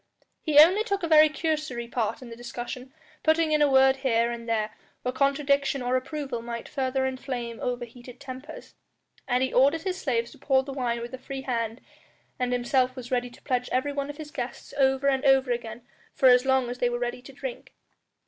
He only took a very cursory part in the discussion, putting in a word here and there where contradiction or approval might further inflame overheated tempers. And he ordered his slaves to pour the wine with a free hand, and himself was ready to pledge every one of his guests over and over again for as long as they were ready to drink.